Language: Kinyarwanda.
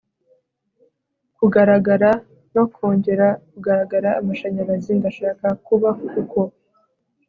kugaragara no kongera kugaragara - amashanyarazi! ndashaka kuba uko